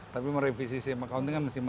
tapi merevisi accounting kan masih masih mudah